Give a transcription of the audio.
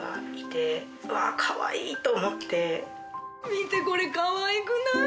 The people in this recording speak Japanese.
見てこれかわいくない？